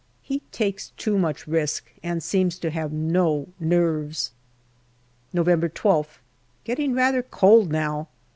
He takes too much risk and seems to have no nerves. November 12th. Getting rather cold now.